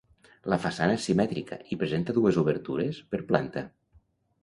La façana és simètrica i presenta dues obertures per planta.